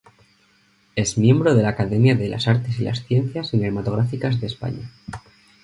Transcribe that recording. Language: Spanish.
Es Miembro de la Academia de las Artes y las Ciencias Cinematográficas de España.